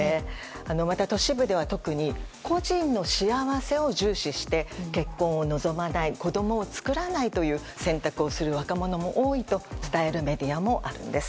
また都市部では特に個人の幸せを重視して結婚を望まない子供を作らないという選択をする若者も多いと伝えるメディアもあるんです。